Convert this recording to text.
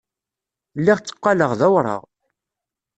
Lliɣ tteqqaleɣ d awraɣ.